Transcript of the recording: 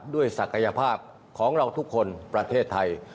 ศักยภาพของเราทุกคนประเทศไทย